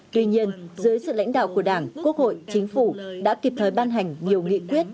tuy nhiên dưới sự lãnh đạo của đảng quốc hội chính phủ đã kịp thời ban hành nhiều nghị quyết